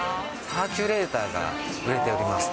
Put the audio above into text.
サーキュレーターが売れております。